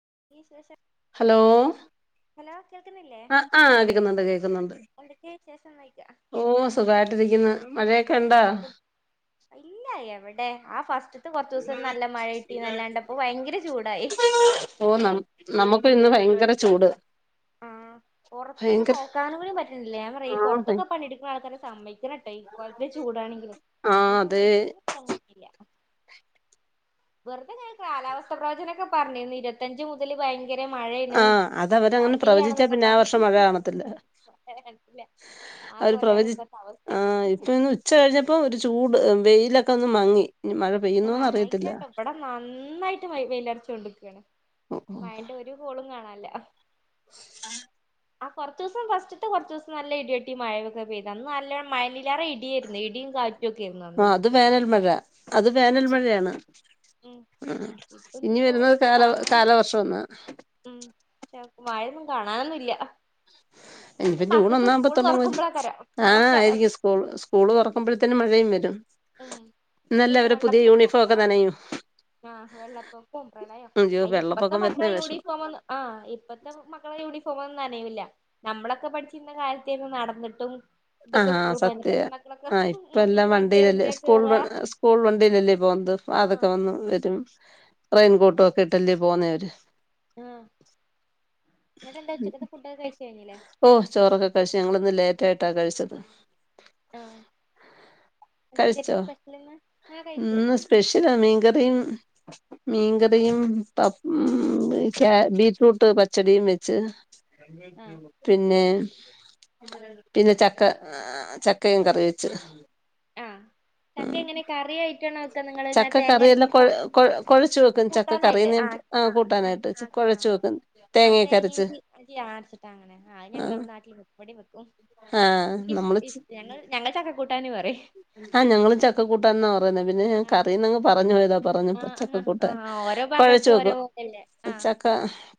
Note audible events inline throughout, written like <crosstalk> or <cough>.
<unintelligible> Hello hello കേൾക്കുന്നില്ലേ അ ആഹ് കേക്കുന്നുണ്ട് കേക്കുന്നുണ്ട് എന്തൊക്കെയ വിശേഷം ഓ സുഖായിട്ടിരിക്കുന്ന് ആ ഇല്ല എവിടെ ആ ഫസ്റ്റ് ഭയങ്കര ചൂടായി ഓ നം നമുക്ക് ഇപ്പൊ ഇന്ന് ഭയങ്കര ചൂട് ആ പുറത്ത്ക്ക് ഭയങ്കര നോക്കാനും കൂടി പറ്റ്ണില്ല ഞാൻ പറയ ഈ ആ ഭയ പുറത്തൊക്കെ പണിയെടുക്ണ ആൾക്കാരെ സ സമ്മയ് ആ അതെ <unintelligible> വെറുതെങ്ങനെ കാലാവസ്ഥ പ്രവചനൊക്കെ പറഞ്ഞിരുന്നു ഇരുപത്തഞ്ച് മുതൽ ഭയ ങ്കര മഴയാണ് ആ അതവരങ്ങനെ സ്റ്റാർട്ട്‌ പ്രവചിച്ചാ ചെയ്യണൊന്നൊക്കെ പിന്നെ ആ വർഷം മഴ കാണത്തില്ല കണ്ടില്ല ആ അവര് കോലാണ് പ്രവചി ഇപ്പത്തെ അവസ്ഥ ആ ഇപ്പൊ ഇന്ന് ഉച്ച കഴിഞ്ഞപ്പോ ഒരു ചൂട് വെയിലൊക്കെ ഒന്ന് മങ്ങി ഇനി മഴ പെയ്യുന്നോന്ന് ആഹ് അറിയത്തില്ല ഇല്ലട്ടോ ഇവിടെ നന്നായിട്ട് വെയിലെറിച്ചുന്നുണ്ട് ഓ <inaudible> ഓ മഴന്റെ ഒരു കോളും കാണാ ല്ലാ <unintelligible> ആ കൊറച്ച് ദിവസം ഫസ്റ്റത്തെ കുറച്ച് ദിവസം നല്ല ഇടവെട്ടി മഴയൊക്കെ പെയ്ത് അന്ന് നല്ല മഴലേറെ ഇടിയായിരുന്നു ഇടിയും കാ ആ അത് വേനൽ മഴ അത് ആഹ് വേനൽമഴയാണ് ഉം ഇപ്പൊ ഇനി ഇനിയിപ്പോ വരുന്നത് കാല കാണാൻ കാലവർഷംന്ന് ഉം പക്ഷെ മഴയൊന്നും കാണാനൊന്നും ഇല്ല ഇനിപ്പോ ജൂൺ ഒന്നാകുമ്പ തൊടങ്ങും തൊറക്കുമ്പളാക്കാരം ആഹ് അതാക്കാരം ആയിരിക്കും സ്കൂൾ സ്കൂള് തുറക്കുമ്പഴ്ത്തെന് മഴയും വരും ഉം ഇന്നല്ലേ പിന്നെ അവരെ പുതിയ വെള്ളപ്പൊക്കവും യൂണിഫോം ഒക്കെ പ്രളയം നനയും ആ വെള്ളപ്പൊക്കവും പ്രളയം അയ്യോ അതിന് ഇപ്പത്തെ വെള്ളപ്പൊക്കം വരുന്ന മക്കളെ വിഷമം യൂണിഫോമൊന്നും ആ ഇപ്പത്തെ മക്കളെ യൂണിഫോമൊന്നും ന നനയൂല നമ്മളൊക്കെ പഠിച്ചിരുന്ന കാലത്തേനു നടന്നിട്ടും ആഹ് <unintelligible> ണ്ടി സ്കൂൾ കേറാ സ്കൂൾ വണ്ടിലല്ലേ പോന്നത് വാ ആഹ് തക്കെ വന്ന് വരും റെയിൻകോട്ടും ഒക്കെ ഇട്ടല്ലേ പോവുന്നേ അവര് ആ ഇങ്ങട്ടെന്താ ഉച്ചക്കത്തെ ഫുഡോക്കെ കഴിച്ച് കഴിഞ്ഞില്ലേ ഓ ചോറൊക്കെ കഴിച്ചു ഞങ്ങളിന്നുലേറ്റ് ട്ടെ ട്ടാ കഴിച്ചത് എന്നിട്ട് കഴിച്ചോ എന്തായിരുന്നു സ്പെഷ്യൽ ഇന്ന് ആഹ് കഴിച്ചു ഇന്ന് സ്പെഷ്യലാ മീൻകറിയും മീൻകറിയും ഉ കാ ബീറ്റ്റൂട്ട് പച്ചടിയും വെച്ച് ആഹ് പിന്നെ പിന്നെ ചക്ക ചക്കയും കറി വെച്ച് ആ ചക്ക ഉം എങ്ങനെ കറിയായി <unintelligible> നി ചക്ക തേങ്ങ കറിയെല്ലാം അരച്ചിട്ട് കൊഴ കൂട്ടാ കൊഴ കൊഴച്ചു വെക്കും ചക്ക കൂട്ടാനായിട്ട് കറിന്ന് ആ ആ കൂട്ടാനായിട്ട് ആ കുഴച്ചു വെക്കും ആ തേങ്ങയൊക്കെ തേങ്ങ അരച്ച് അരച്ചിട്ടാ അങ്ങനെ ആ ഞങ്ങളവിടെ നാട്ടിൽ മുപ്പടി ആ ഇഷ് നമ്മള് ഇഷ്‌ടാ ഞങ്ങൾ ഞങ്ങൾ ചക്കക്കൂ ട്ടാൻ പറയ് ആ ഞങ്ങളും ചക്ക കൂട്ടാനെന്നാ പറയുന്നേ പിന്നെ ഞാൻ ആഹ് കറീന്നങ് പറഞ്ഞു പോയതോ പറഞ്ഞപ്പൊ ആഹ് ആഹ് ചക്കക്കൂട്ടാൻ ആഹ് ഓരോ കൊഴച്ചു ഭാഗത്തും ഓരോ വെക്കും ഇതല്ലേ ആഹ് ചക്ക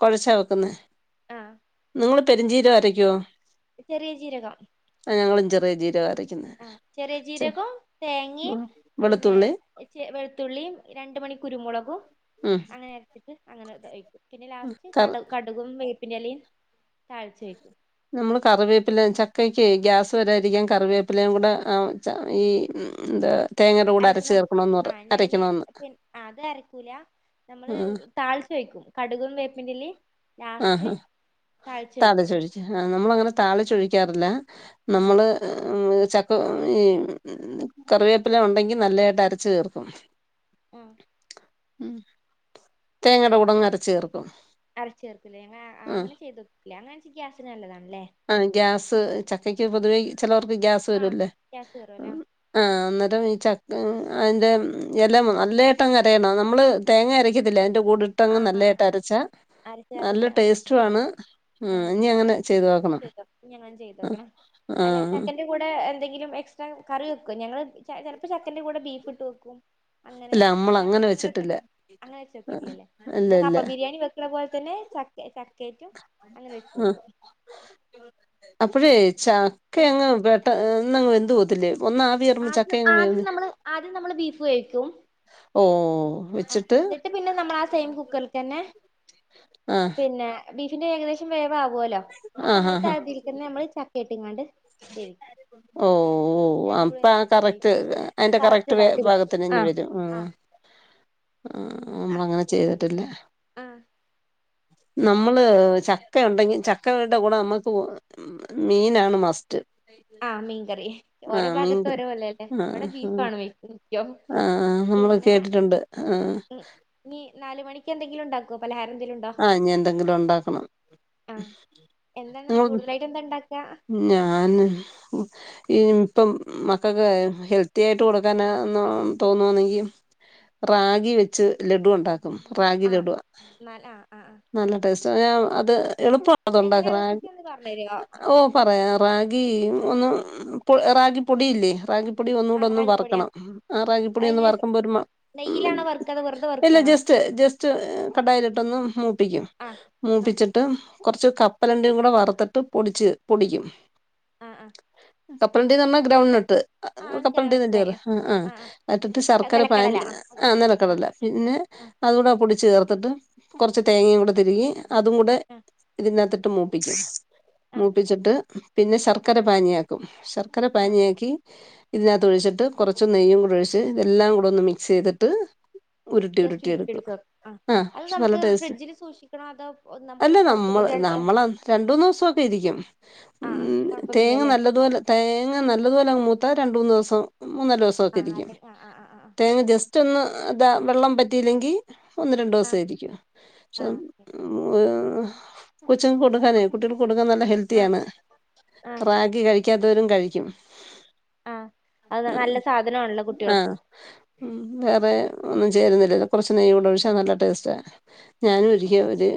കൊഴച്ചാ വെക്കുന്നേ ആഹ് നിങ്ങള് പെരുംജീരകം അരയ്ക്കോ ചെറിയ ജീരകം ആ ഞങ്ങളും ചെറിയ ജീരകം <unintelligible> തേങ്ങേം പിന്നെ വെളുത്തുള്ളി ഇച്ചി വെളുത്തുള്ളീം രണ്ടുമണിക്കുരൂം മുളകും ഉം അങ്ങനരച്ചിട്ട് അങ്ങനെ <unintelligible> പിന്നെ ലാസ്റ്റ് കർ കട കടുകും വേ പ്പിന്റെലിം താളിച്ച് വെക്കും നമ്മള് കറിവേപ്പില ചക്കയ്ക്ക് ഗ്യാസ് വരായിരിക്കാൻ കറിവേപ്പിലേം കൂടെ ഈ ച എന്താ തേങ്ങയുടെ കൂടെ അരച്ച് അരക്കുന്ന ചേർക്കണോന്ന് പറ ആ ഞാനേ അരയ്ക്കണോന്ന് പി അത് അരക്കൂല നമ്മള് ആ താളിച്ച് വെയ്ക്കും കടുകും വേപ്പിൻ്റെലേം ആഹാ ഒഴിക്കും താളിച്ചൊഴിച്ച് ആ ആഹ് നമ്മളങ്ങനെ താളിച്ചൊഴി ക്കാറില്ല ആഹ് നമ്മള് ചക്ക കറിവേപ്പില ഉണ്ടെങ്കിൽ നല്ലതായിട്ട് അരച്ച് ചേർക്കും മം ഉം തേങ്ങയുടെ കൂടങ്ങ് അരച്ച് ചേർക്കും അരച്ചു ചേർക്കൂലേ ഞങ്ങ ആ അങ്ങനെ ചെയ്തിട്ടില്ല അങ്ങനരച്ചാ ഗ്യാസിന് നല്ലതാണല്ലേ ആ ഗ്യാസ് ചക്കയ്ക്ക് പൊതുവേ ചിലർക്ക് ഗ്യാസ് ആഹ് വരുംല്ലേ ഗ്യാസ് കേറുവല്ലേ ആ അ ഈ ചക്ക ങ്ങ അയിൻ്റ <unintelligible> നല്ലയിട്ടങ്ങനെ അരയണോ നമ്മള് തേങ്ങയരക് ത് ലേൻ ആഹ് ആ ആ അരച്ച നല്ല പിന്നെ ടേസ്റ്റും ആണ് പ്രശ്നണ്ടാവില്ലോ ഉം ആ ഇനി അങ്ങനെ ചെയ്ത് നോക്കണം ഞങ്ങനൊന്ന് ചെയ്തോക്കണം ആ അല്ല ചക്കന്റെ കൂടെ എന്തെങ്കിലും എക്സ്ട്രാ കറി വെക്കുവ ഞങ്ങള് ചിലപ്പോ ചക്കന്റെറെ കൂടെ ബീഫ് ഇട്ട് വെക്കും അല്ല നമ്മള അങ്ങനെ വെച്ചിട്ടില്ല ആ ഇല്ല ഇങ്ങള് കപ്പബരിയാണി വെക്ക അതുപോലെ തന്നെ ഇല്ല ചക്കച ക്കേക്കും അങ്ങനെ വെച്ചു നോക്കും <unintelligible> ചക്കെങ്ങ് പെട്ട എന്ന വെ ത് ഓതില്ലേം ആദ് ആദ്യം നമ്മൾ ആദ്യമ്മള് ബീഫ് വേവിക്കും ഓ ആ വെച്ചിട്ട് എന്നിട്ട് പിന്നെ നമ്മൾ ആ സെയിം കുക്കറിൽ തന്നെ ആഹ് പിന്നെ ബീഫിന് ഏകദേശ വേ ആവല്ലോ ആ ആഹ് സമയത്ത് ആഹ് ആഹ് അതിൽക്കെന്നെ നമ്മൾ ചക്ക പിങ്ങാണ്ട് ഓ ഓ രണ്ടും കൂടി അപ്പ അ ഒരുമിച്ചിട്ടൊന്ന് കറക്റ്റ് വേവിക്കും അതിന്റെ കറക്റ്റ് ഇതായിട്ട് കിട്ടും ഭാഗത്തിന് ന്നെ ആഹ് വരും ആഹ് ആ നമ്മള അങ്ങനെ ചെയ്ത് ട്ടില്ല ആഹ് നമ്മള് ചക്ക ഉണ്ടെങ്കി ചക്കയുടെ കൂടെ നമ്മുക്ക് മീനാണ് മസ് ആഹ് മീൻ കറി ഓരോ മീൻ ഭാഗത്ത് കറി ഓരോ കോലല്ലേ ഇവിടെ ആഹ് ബീഫ ആഹ് ആണ് വഴിക്കു ആഹ് നമ്മൾ കേട്ടിട്ടുണ്ട് ആഹ് ഉം ഇനി നാല് മണിക്ക് എന്തെങ്കിലും ഉണ്ടാക്കോ പലഹാരം എന്തെങ്കിലും ഉണ്ടോ ആഹ് ഇഞ്ഞ് എന്തെങ്കിലും ഉണ്ടാക്കണം ആഹ് എന്താണ് നിങ്ങ കൂടുതലായിട്ട് എന്താ ഉണ്ടാക്കാ ഞാന് ഇപ്പം മക്കൾക്ക് ഹെൽത്തി ആയിട്ട് കൊടുക്കാന തോന്നുവാണെങ്കിൽ റാഗി വെച്ച് ലഡു ഉണ്ടാക്കും റാഗി ആഹ് ലഡു അ എന്നാൽ ആഹ് ആഹ് ആഹ് നല്ല ടേസ്റ്റാ <unintelligible> ഇത് എളുപ്പാ <inaudible> അത് എങ്ങനെയാ ഉണ്ടാക്കാൻ റെസിപ്പി ഒന്ന് പറഞ്ഞു തരുവോ ഓ പറയാ റാഗി ഒന്ന് ഏഹ് പ്പോ റാഗി പൊടിയില്ലേ റാഗി പ്പൊടി ആഹ് ഒന്നൂടൊന്ന് റാഗിപ്പൊടി വറുക്കണം ആഹ് ആ റാകിപ്പൊടി ഒന്നു അതെങ്ങനെ വറുക്കുമ്പോ ഒരു മ- നെയ്യിലാണോ വറുക്കാ അതോ വെറുതെ ഇല്ലേ വറുക്കാണോ ജസ്റ്റ് ജസ്റ്റ് ആഹ് കടയിലിട്ടൊന്നു മൂപ്പിക്കും ആഹ് ആഹ് മൂപ്പിച്ചിട്ട് കൊർച്ച് കപ്പലണ്ടിയും കൂടെ വറുത്തിട്ടും പൊടിച്ച് പൊടിക്കും അ ആ കപ്പലണ്ടിന്ന് പറഞ്ഞാ ഗ്രൗണ്ടിനട്ത്ത് എനിക്കത് മനസ്സിലായി കപ്പലണ്ടീന്ന ആഹ് ആ ഇട്ട്ട്ട് ആഹ് ശർക്കര നിലക്കടല പാനി ആഹ് ആ ഓക്കെ ആഹ് നിലക്കടല പിന്നെ ആഹ് അതുകൂടെ പൊടിച്ച് ചേർ ട്ട് കോർച്ച് തേങ്ങയും കൂടെ തിരികി അതും കൂടെ ഇതിനകത്ത് ട്ട് മൂപിച്ച് ആഹ് ആഹ് മൂപ്പിച്ചിട്ട് പിന്നെ ശർക്കര പാനിയാക്കും ശർ ക്കര ആഹ് പാനിയാക്കി ഇതിനകത്ത് ഒഴിച്ചിട്ട് കൊറച്ച് നെയ്യും കൂടെ ഒഴിച്ച് ഇതെല്ലാം കൂടെ ഒന്ന് മിക്സ് ചെയ്തിട്ട് ഉരുട്ടി ജസ്റ്റ് ഉരുട്ടി എടുക്കും വിര്പ്പിട്ക്ക അ ആ അത് പക്ഷെ നല്ല നമക്ക് ടേസ്റ്റ് ഫ്രിഡ്ജില് സൂക്ഷിക്കണോ അതാ നമക്ക് അല്ല നമ്മൾ പോർത്ത് <unintelligible> നമ്മള രണ്ടൂന്ന് ദിവസമൊക്കെ ഇരിക്കും തേങ്ങ നല്ലത് പോലെ തേങ്ങ നല്ലത് പോലെ മൂത്ത രണ്ട മൂന്ന് ദിവസം മൂന്നര ദിവസൊക്കെ ആഹ് ഇരിക്കും അല്ലെ ആഹ് ആഹ് ആഹ് തേങ്ങ ജസ്റ്റ് ഒന്ന് അതാ വെള്ളം പറ്റില്ലെങ്കി ഒന്ന് രണ്ട് ആഹ് ആഹ് സയിരിക്കും ക്ഷെ ആഹ് ഓക്കെ <unintelligible> കൊച്ചിന് കൊടുക്കാനേ കുട്ട കൊട്ക്കാൻ നല്ല ആഹ് ഹെൽത്തിയാണ് ആഹ് റാഗി കഴിക്കാ രും കഴിക്കും ആഹ് അത് നല്ല സാധനമാണല്ലോ അ ആ കുട്ടികൾക്ക് വേറെ ഒന്നും ചേരുന്നില്ല കോറച്ച് നെയ്യും കൂടെ ഒഴിച്ചാ നല്ല ടേസ്റ്റാ ഞാനും ഒരിക്കേ ഒരു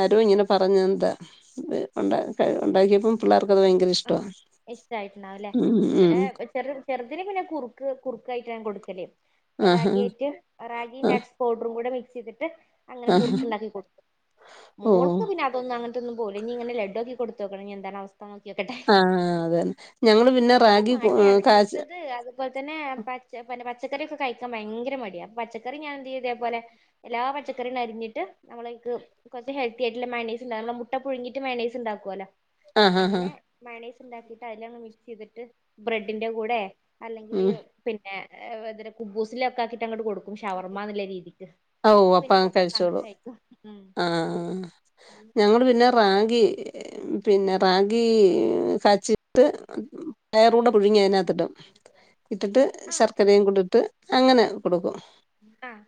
ആരോ ഇങ്ങനെ പറഞ്ഞത് എന്താ ഉണ്ട ഉണ്ടാക്കിയപ്പം പിള്ളാർക്ക് അത് ഭയങ്കര ഇഷ്ട ഇഷ്ടയിട്ടുണ്ടാവല്ലേ ഇവിടെ ഉം ചെർ ചെറുതിന് പിന്നെ കുർക്ക്‌ കുറുകയ് <unintelligible> ആഹാ ഇറാഗിയറ്റ് റാഗി ആഹ് നട്ട്സ് പൗഡറും കൂടെ മിക് ചെയ്തിട്ട് അങ്ങനെ ആഹാ കുറുക്കുണ്ടാക്കി കൊടുക്കും ഓഹ് മോൾക്ക് പിന്നെ അതൊന്നും അങ്ങ ഒന്നും പോവില്ല ഇങ്ങനെ ലഡുവാക്കി കൊടുത്തോക്കണം ഇനി എന്താണ് അവസ്ഥ നോക്കി നോക്കട്ടെ ആഹ് അതന്നെ ഞങ്ങള് പിന്നെ ഒക്കെ റാഗി കു മടിയാണ് കാച്ച് ഇങ്ങനത്തത് അതുപോലെ തന്നെ പ ച പിന്നെ പ പച്ചക്കറി ഒക്കെ കഴിക്കാൻ ഭയങ്കര മടിയാ അപ്പൊ പച്ചക്കറി ഞാൻ എന്ത് ചെയ്യും ഇതേപോലെ എല്ലാ പച്ചക്കറിയും <unintelligible> അരിഞ്ഞിട്ട് നമ്മളയിക്ക് കൊറച്ച് ഹെൽത്തി ആയിട്ടിള്ള മയേനേസ് <unintelligible> നമ്മള് മുട്ട പുഴുങ്ങീട്ട് മയെനേസ് ഉണ്ടാക്കുവല്ലോ ആഹ് ആഹ് അങ്ങനെ ആഹ് മയനേസ് ഉണ്ടാക്കിട്ട് അയിലങ്ങ് മി ക്സ് ചെയ്തിട്ട് ബ്രെഡിന്റെ കൂടെ അല്ലെങ്കില് ഉം പിന്നെ അ <unintelligible> കുമ്പൂസിലെ ഒക്കാക്കി ങ്ങട്ട് കൊടുക്കും ഷവർമ്മന്നിള്ള രീതിക്ക് ഓ അപ്പൊ പിന്നെ അപ്പ കൊറച്ചൊക്കെ അങ്ങനെ കഴിച്ചോളൂ കഴിക്കും ഉം ആഹ് ഞങ്ങള് പിന്നെ റാഗി പിന്നെ റാഗി കാച്ചിട്ട് പയറൂടെ പുഴുങ്ങി അതിനകത്തിടും ഇട്ടിട്ട് ആഹ് ശർക്കരേ കൂടെ ഇട്ട് അങ്ങനെ കൊടുക്കും ആഹ്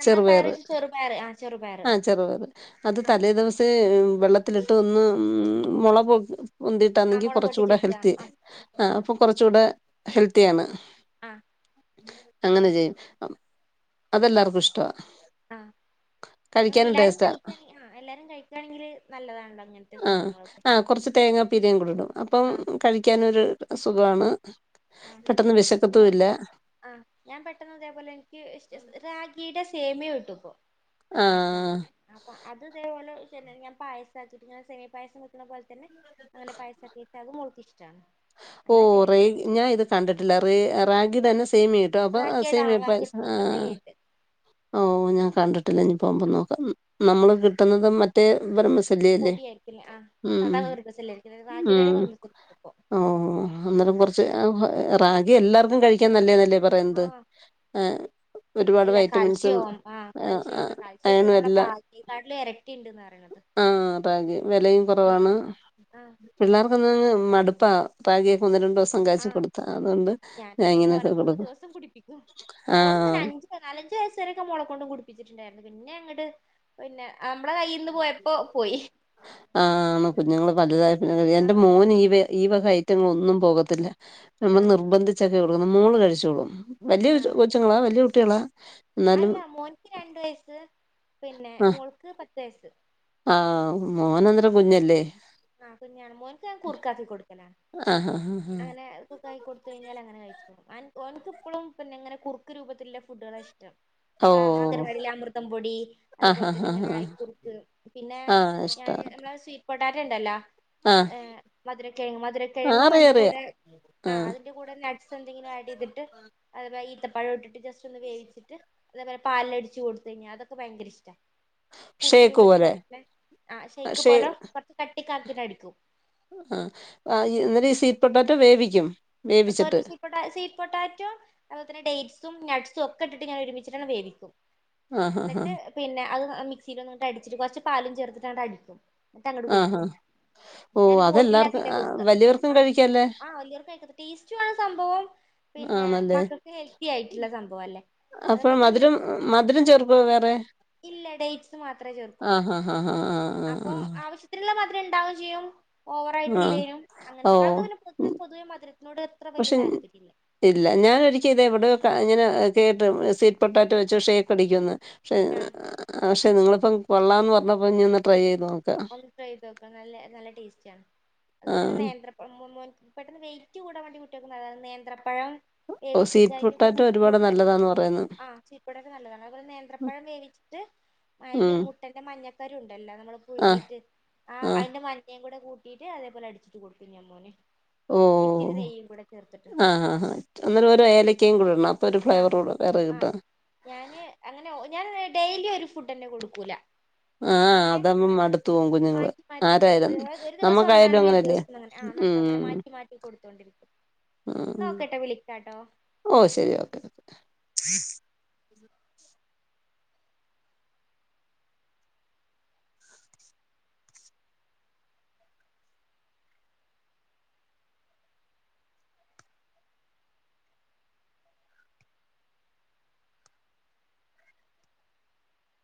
നമ്മള് പയറ് ചെറുപയറ് ച്ചാ ചെറുപയറ് ആ ചെറുപയറ് ആ ആഹ് ചെറുപയറ് അത് ആ തലേ ദിവസേ വെള്ള ത്തിലിട്ട് ഒന്ന് ഉം മൊള പൊ ആ പൊന്തിട്ടാണെങ്കി മുളക് കുറച്ചൂടെ പൊട്ടിച്ചെടുക്ക ഹെൽത്തി ആ ആ അപ്പൊ കുറച്ചൂടെ ഹെൽത്തിയാണ് ആഹ് അങ്ങനെ ചെയ്യും അതെല്ലാർക്കും ഇഷ്ടവാ ആ അങ്ങനെ കഴിക്കാനും എല്ലാരും ടേസ്റ്റാ കഴിക്കാണെങ്കി ആ എല്ലാരും കഴിക്കാണെങ്കില് നല്ലതാണല്ലോ അങ്ങനത്തെ അ സംഭവങ്ങളൊക്കെ അ കൊറച്ച് തേങ്ങ പീരേം കൂടിടും അപ്പൊ ആ കഴിക്കാനും <unintelligible> സുഖവാണ് ആ ഞാൻ ആഹ് ഞാൻ പെട്ടെന്ന് അതേപോലെ എനിക്ക് ഇശ് ഇശ് റാഗീടെ സേമിയ കിട്ടും ഇപ്പോ അയക്കാം ആഹ് അപ്പൊ അതിതേ പോലെ ഞാൻ സേമിയപായസം വെക്കുന്ന പോലെന്നെ. അത് മോൾക്കിഷ്ട- ഓ റേ ഞാൻ ഇതൊ കണ്ടിട്ടില്ല റെ റാഗിടെന്ന സേമികിട്ടോ അപ്പോ റാഗിയുടെ ആ സേമിപായസ കിട്ടുന്ന ആ വെർമസെല്ലി ഉണ്ട് ഓ ഞാൻ കണ്ടിട്ടില്ല ഇനി പോമ്പൊ ആ നോക്കാം നമ്മള് കിട്ടുന്നത് മറ്റേ വേർമിസെല്ലി പൊടിയായിരിക്കില്ലേ ആ സാധാ വേർമിസെല്ലി ആയിരിക്കും അതായത് രാഗ്ഗിടെ ഉം വേർമിസെല്ലി കിട്ടും ഇപ്പോ ഓ അന്നേരം കുറച്ച് രാഗി എല്ലാവർക്കും കഴിക്കാൻ നല്ലേ അല്ലെ പറയുന്നത് ആഹ് അ ഒരുപാട് എല്ലാ വൈമിൻസും കാൽസ്യവും ആഹ് ആ അ കാൽസ്യക്കെ അയേൺ കാൽസ്യൊക്കെ ഉം നമ്മളെ എല്ലാം പാലിനെക്കാട്ടിലും എരട്ടിണ്ട്ന്ന് പറയണത് ആ റാഗി വിലയും കുറവാണ് ആഹ് മടു അപ്പ റാഗി യൊക്കെ ഒന്ന് രണ്ട് സം ആഹ ഞാന് ഇങ്ങനെയൊക്കെ മോനെ ക്കൊണ്ട് കൊടുക്കും ദിവസം കുടിപ്പിക്കും ആ മോളും തന്നെ നാലഞ്ചു വയസ് വരെയൊക്കെ മോളെക്കൊണ്ട് കുടിപ്പിച്ചിട്ടുണ്ടായിരുന്നു പിന്നെ അങ്ങട് പിന്നെ നമ്മളെ കയ്യിന്ന് പോയപ്പോ പോയി ആ ആണ് കുഞ്ഞുങ്ങൾ വലുതായി പിന്നെ എന്റെ ആഹ് മോന് വേ ഈ വക ഐറ്റങ്ങൾ ഒന്നും പോകത്തില്ല നമ്മൾ ആഹ് നിർബന്ധിച്ച ചെറു മോളു കഴിച്ചോളും വലിയ കൊച്ച് ആഹ് കൊച്ചങ്ങളാ വലിയ ട്ടള അല്ല മോനിക്ക് രണ്ട് വയസ്സ് പിന്നെ ആ മോൾക്ക് പത്തു വയസ്സ് പത്തു വയസ്സ് ആ മോനന്നേരം കുഞ്ഞല്ലേ ആഹ കുഞ്ഞാണ് മോനക്ക് ഞൻ കുറു ക്കാക്കി കൊടുക്കല ആ ഹാ ഹാ ഹാ അങ്ങനെ കുർക്കാക്കി കൊടുത്ത കഴിഞ്ഞാൽ അങ്ങനെ കഴിച്ചു ഓന്ക്കിപ്പോഴും പിന്നെ ഇങ്ങനെ കുറുക്ക് രൂപത്തിലുള്ള ഫുഡ്‌കളാ ഇഷ്ട്ടം ഓ മ്മ മാങ്ങനവാടിയില അമൃതം പൊടി ആ അതുപോലെ ഹാ ഹാ ഹാ തന്നെനെക്കുറക്ക് പിന്നെ ആ ഞൻ ഇഷ്ടാ നമ്മ സ്വീറ്റ്ട്ട ആ എ മധുരകിഴങ്ങും മധുരകിഴങ്ങും അറിയാം അതിന്റെ അറിയാം കൂടെ ആ അതിന്റെ കൂടെ നട്ട്സ് എന്തെങ്കിലും ആഡ് ചെയ്തിട്ട് അതപോലെ ഈത്തപ്പഴം ഇട്ടിട്ട് ജസ് ഒന്ന് വേവിച്ചട്ട് അതേപോലെ പാലിലടിച്ചു കൊടുത്ത കഴിഞ്ഞാൽ അതൊക്കെ ഭയങ്ക ഇഷ്ടമാണ് കുറുക്ക് ഷേക്ക് രൂപത്തിൽ പോലെ ആ ഷേക്ക്‌ ഷേ പോലെ പട്ടിക്കാർത്തിന് അടുക്കും ആ എന്നിട്ട് സ്വീറ്റ് പൊട്ടറ്റോ വേവിക്കും വേവിച്ചിട്ട് <unintelligible> സീ പൊട്ടാറ്റോ അതുപോലെ തന്നെ ഡേറ്റ്സ് ഉം ന്സ ഒക്കെ ഇട്ട് ഞാൻ ഒരുമിച്ചിട്ടാണ് വേവിക്കും ആ ഹാ ഹാ എന്നിട്ട് പിന്നെ അത് മിക്സിൽ ഒന്ന് അടിച്ചിട്ട് കുറച്ച് പാലും ചേർത്തിട്ട്ണ്ട് അടിക്കും എന്നിട്ട് അങ്ങട്ട് ആഹാ കൊടുക്കും ഓ ഞാന് അതെല്ലാർക്കും ബോട്ടിലാക്കിയിട്ടാ കൊടുക്കുക വലിയവർക്കും ആ കഴിക്കല്ലേ ആ വലിയവർക്ക് <unintelligible> സംഭവം? പിന്നെ മക്കൾക്ക് ഹെൽത്തി ആയിട്ടുള്ള സംഭവം അല്ലേ അപ്പൾ അതുപോലെ തന്നെ മധുരം മധുരം ചേർക്കോ വേറെ ഇല്ല ഡേറ്റ്സ് മാത്രമേ ചേർക്കുള്ളൂ ആഹ ഹാ ഹാ ഹാ ആ് ആ് ആഹ ള്ള മാത് രം ണ്ടാവും ചെയ്യും ഓവറായിട്ടില്ലേനും ആ ഓ അങ്ങനത്തെ ആൾക്കങ്ങനെ പിന്നെ പൊതുവെ ഉം, പൊതുവെ മധു പക്ഷെ ഇല്ല ഞാനൊരിക്കെ ഇതെവിടെയൊ ക ഇങ്ങനെ കേട്ടും സീറ്റ് പൊട്ടറ്റോവെച്ച് ഷേക്കടിക്കൂന്ന് ആ <unintelligible> നിങ്ങളിപ്പം കൊള്ളാംന്ന് പറഞ്ഞപ്പോ ഞൊന്ന് ട്രൈ ചെയ്തന്നോ ഒന്ന് ട്രൈ ചെയ്തോക്ക് നല്ല നല്ല ടേസ്റ്റാണ്. ആ അതുപോലെ തന്നെ നേന്ത്രപഴം <unintelligible> പെട്ടെന്ന് വെയ്റ്റ് കൂടാവേണ്ടി സാധനെ നേന്ത്ര പഴം ഓ വേവിച്ചിട്ട് സ്വീറ്റ് അയിന്റെ കൂടെ പൊട്ടാറ്റോ മു ഒരുപാട് മുട്ടെ നല്ലതാന്ന് പറയുന്നു ആ ചി ഇബടൊക്കെ നല്ലതാണ് അതുപോലെ നേന്ത്രപ്പഴം വേവിച്ചിട്ട് അതില് ഉം മുട്ടന്റെ മഞ്ഞ കരുണ്ടല്ല ആ പുഴുങ്ങിട്ട് ആ അയ്ന്റെ മഞ്ഞകൂടെ കൂട്ടിട്ട് അതേപലെ അടിച്ചിട്ട് കൊടുക്കും ഞാ മോന് ഓ ഇത്തിരി നെയ്യും കൂടെ ചേർത്തിട്ട് ആ ആ ആ അന്നേരം ഓര ഏലക്കയും കൂടു ആ ആ ഞാന് അങ്ങനെ ഒ ഞാൻ ഡെയിലി ഈ ഫുഡന്നെ കൊടുക്കൂല ആ അങ്ങനെ അതങ്ങ് മടുത്തു പോവും കുഞ്ഞുങ്ങള് മാറ്റി മാറ്റി കൊടുത്ത് ആരായാലും ഒരു ദിവസം നമ്മക്കായാലും ഒന്നാണെങ്കിൽ ഒരു അങ്ങനല്ലേ ദിവസം അങ്ങനെ ആ മ് നമുക്ക് അങ്ങനെ മാറ്റി മാറ്റി കൊടുത്തോണ്ടിരിക്കും എന്നാ മ് ഓക്കെട്ടോ വിളിക്കാട്ടോ ഓ ശരി ഓക്കെ <inaudible>